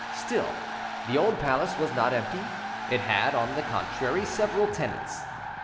Still, the old palace was not empty; it had, on the contrary, several tenants.